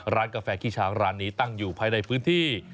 กาแฟขี้ช้างร้านนี้ตั้งอยู่ภายในพื้นที่